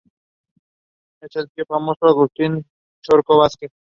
Es el tío del famoso Agustín "El Corcho" Vazquez.